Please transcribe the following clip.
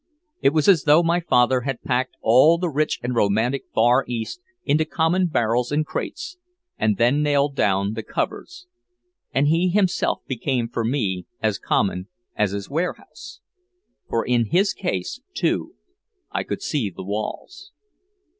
It was as though my father had packed all the rich and romantic Far East into common barrels and crates and then nailed down the covers. And he himself became for me as common as his warehouse. For in his case, too, I could see the walls.